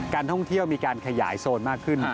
ท่องเที่ยวมีการขยายโซนมากขึ้น